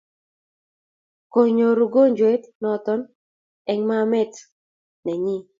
konyor ungojwet noton eng ma met ne nyin